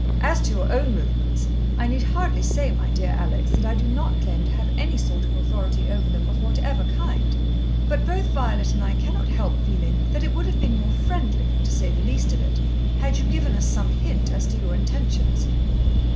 As to your own movements, I need hardly say, my dear Alex, that I do not claim to have any sort of authority over them of whatever kind, but both Violet and I cannot help feeling that it would have been more friendly, to say the least of it, had you given us some hint as to your intentions.